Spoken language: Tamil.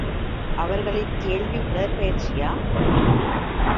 அவர்களின் கேள்வி உடற்பயிற்சியா?